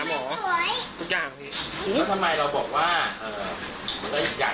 แล้วทำไมเราบอกว่าเอ่ออยากการเอาลูกเนี่ยแต่ให้ไปอื่นเลี้ยงแล้วอยากจะทิ้ง